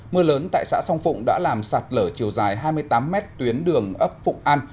mưa lớn tại xã song phụng đã làm sạt lở chiều dài hai mươi tám mét tuyến đường ấp phụng an